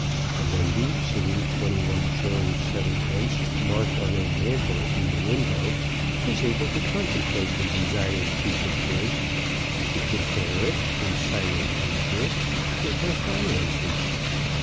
A lady seeing 21_s._ 7_d._ marked on a mantle in the window, is able to contemplate the desired piece of goods and to compare it, in silent leisure, with her finances.